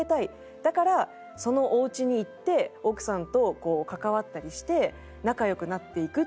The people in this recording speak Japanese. だからそのおうちに行って奥さんと関わったりして仲良くなっていくっていう。